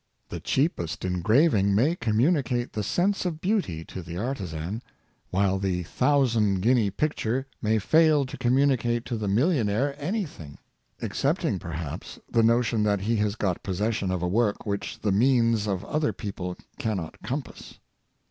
The cheapest engraving may communi cate the sense of beauty to the artizan, while the thous and guinea picture may fail to communicate to the mil lionaire anything — excepting, perhaps, the notion that he hcis got possession of a work which the means of other people cannot compass.